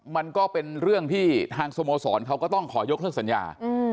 มันก็เป็นเรื่องที่ทางสโมสรเขาก็ต้องขอยกเลิกสัญญา